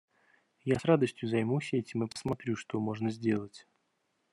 Я с радостью займусь этим и посмотрю, что можно сделать.